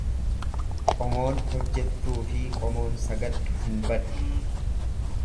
Qomoon hojjettuufi qomoon sagaddu hin baddu.